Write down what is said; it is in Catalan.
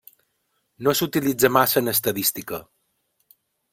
No s'utilitza massa en estadística.